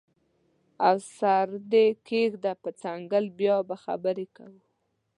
او سر دې کیږدم په څنګل بیا به خبرې کوو